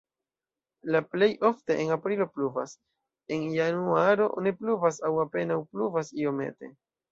La plej ofte en aprilo pluvas, en januaro ne pluvas aŭ apenaŭ pluvas iomete.